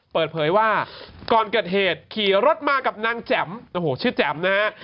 เปิดเผยว่าก่อนเกิดเหตุขี่รถมากับนางแจ๋มโอ้โหชื่อแจ๋มนะฮะ